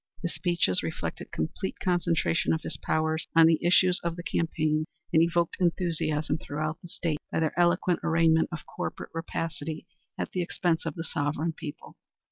His speeches reflected complete concentration of his powers on the issues of the campaign and evoked enthusiasm throughout the State by their eloquent arraignment of corporate rapacity at the expense of the sovereign people.